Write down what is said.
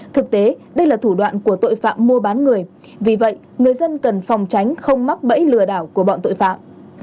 thực tế đây là thủ đoạn của tội phạm mua bán người vì vậy người dân cần phòng tránh không mắc bẫy lừa đảo của bọn tội phạm